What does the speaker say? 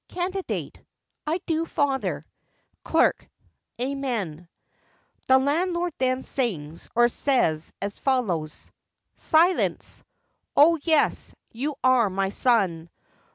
Candidate. I do, Father. Clerk. Amen. The LANDLORD then sings, or says, as follows:— Silence! O, yes! you are my son!